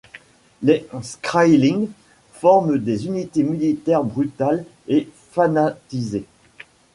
Les Skraeling forment des unités militaires brutales et fanatisées.